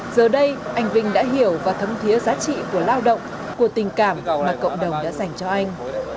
giờ đây anh vinh đã hiểu và thấm thiế giá trị của lao động của tình cảm mà cộng đồng đã dành cho anh